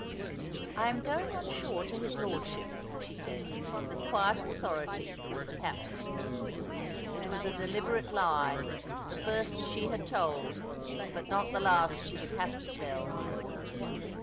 " I am going on shore to his lordship," she said, with quiet authority, to the captain. It was a deliberate lie — the first she had told, but not the last she would have to tell.